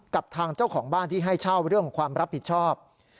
กับทางเจ้าของบ้านที่ให้เช่าเรื่องของความรับผิดชอบ